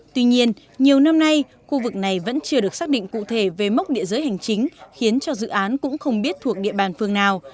tuy nhiên nhiều năm nay khu vực này vẫn chưa được xác định cụ thể về mốc địa giới hành chính khiến cho dự án cũng không biết thuộc địa bàn phường nào